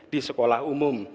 di sekolah umum